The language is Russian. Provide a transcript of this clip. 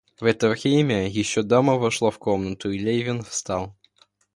В это время еще дама вошла в комнату, и Левин встал.